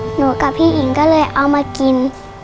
หนูกับพี่อิ๋งก็เลยเอามากิน